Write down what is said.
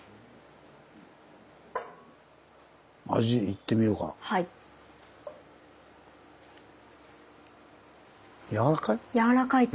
味いってみようか。